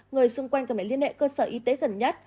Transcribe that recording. người xung quanh cần phải liên hệ cơ sở y tế gần nhất